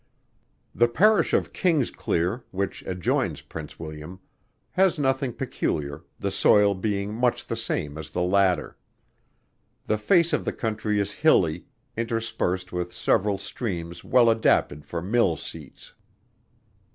The Parish of Kingsclear, which adjoins Prince William, has nothing peculiar, the soil being much the same as the latter. The face of the country is hilly, interspersed with several streams well adapted for mill seats.